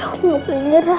aku mau pulih ngerah